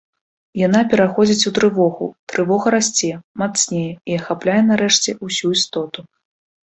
Яна пераходзіць у трывогу, трывога расце, мацнее і ахапляе нарэшце ўсю істоту.